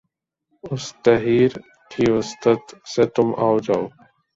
اُس تحیّر کی وساطت سے تُم آؤ جاؤ